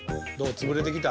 つぶれてきた？